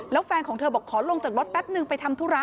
แล้วแฟนของเธอบอกขอลงจากรถแป๊บนึงไปทำธุระ